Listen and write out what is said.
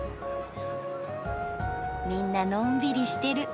みんなのんびりしてる。